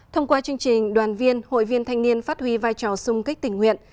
thông qua chương trình đoàn viên hội viên thanh niên phát huy vai trò sung kích tình nguyện